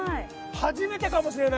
初めてかもしれない。